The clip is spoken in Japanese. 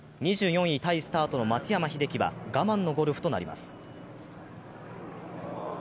２４位タイスタートの松山英樹は我慢のゴルフとなります。